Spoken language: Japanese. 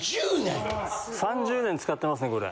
３０年使ってますねこれ。